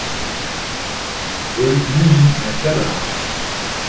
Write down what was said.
Rue Lily à Clamart